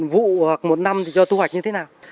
vụ hoặc một năm thì cho thu hoạch như thế nào